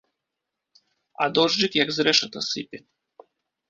А дожджык як з рэшата сыпе.